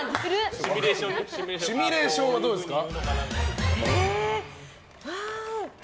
シミュレーションはどうですか？